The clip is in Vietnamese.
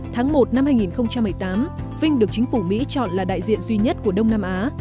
tháng một năm hai nghìn một mươi tám vinh được chính phủ mỹ chọn là đại diện duy nhất của đông nam á